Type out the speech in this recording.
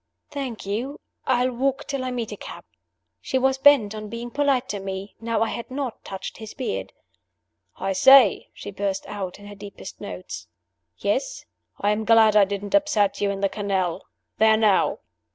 "Thank you. I'll walk till I meet a cab." She was bent on being polite to me now I had not touched his beard. "I say!" she burst out, in her deepest notes. "Yes?" "I'm glad I didn't upset you in the canal. There now!"